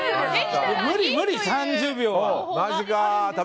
無理無理、３０秒は。